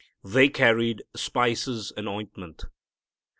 They carry spices and ointment.